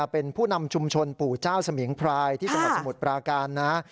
เป็นผู้นำชุมชนปู่เจ้าสมิงพรายที่จังหวัดสมุทรปราการนะ